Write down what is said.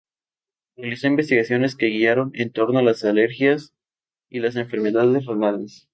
Realizó investigaciones que giraron en torno a las alergias y las enfermedades renales.